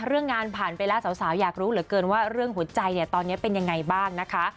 เรื่องงานผ่านไปแล้วสาวอยากรู้เหลือเกินว่าเรื่องหัวใจเนี่ยตอนนี้เป็นยังไงบ้างนะคะ